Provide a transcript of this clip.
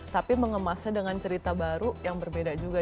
tapi mengemasnya dengan cerita baru yang berbeda juga